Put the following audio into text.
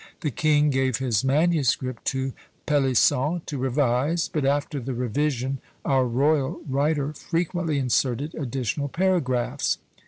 The king gave his manuscript to Pelisson to revise; but after the revision our royal writer frequently inserted additional paragraphs.